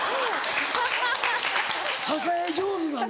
支え上手なんだ。